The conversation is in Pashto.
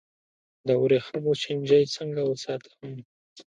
د وریښمو چینجی څنګه وساتم؟